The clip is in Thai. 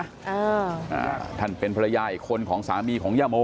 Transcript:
อ่าอ่าท่านเป็นภรรยาอีกคนของสามีของย่าโม